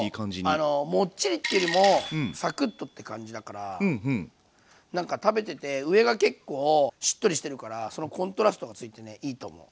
そうモッチリっていうよりもサクッとって感じだからなんか食べてて上が結構しっとりしてるからそのコントラストがついてねいいと思う。